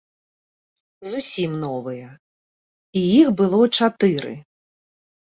Зусім новыя, і іх было чатыры.